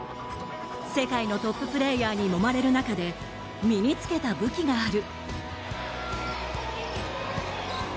世界のトッププレーヤーにもまれる中で身につけた武器がある。